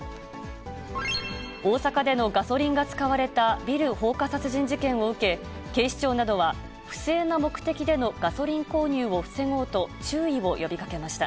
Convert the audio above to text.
大阪でのガソリンが使われたビル放火殺人事件を受け、警視庁などは、不正な目的でのガソリン購入を防ごうと、注意を呼びかけました。